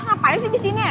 ngapain sih disini ya elah